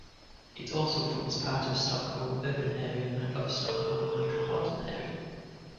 It also forms part of Stockholm urban area and of Stockholm Metropolitan Area.